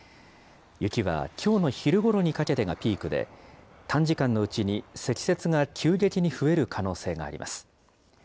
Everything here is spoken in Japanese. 雪はきょうの昼ごろにかけてがピークで、短時間のうちに積雪が急激に増える可能性があります。